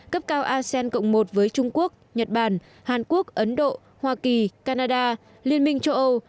cấp cao asean cộng một với trung quốc nhật bản hàn quốc ấn độ hoa kỳ canada liên minh châu âu